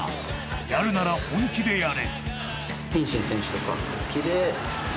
やるなら本気でやれ。